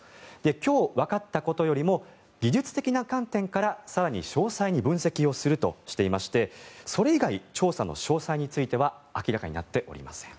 今日わかったことよりも技術的な観点から、更に詳細に分析をするとしていましてそれ以外、調査の詳細については明らかになっておりません。